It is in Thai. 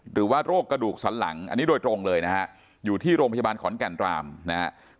โรคกระดูกสันหลังอันนี้โดยตรงเลยนะฮะอยู่ที่โรงพยาบาลขอนแก่นรามนะครับ